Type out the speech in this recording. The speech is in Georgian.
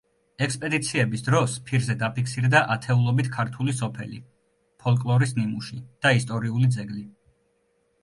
ექსპედიციების დროს ფირზე დაფიქსირდა ათეულობით ქართული სოფელი, ფოლკლორის ნიმუში და ისტორიული ძეგლი.